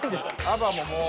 あばももう。